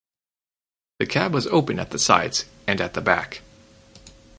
The cab was open at the sides and at the back.